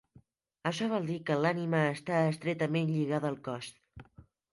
Això vol dir que l'ànima està estretament lligada al cos.